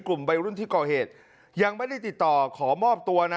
กลุ่มวัยรุ่นที่ก่อเหตุยังไม่ได้ติดต่อขอมอบตัวนะ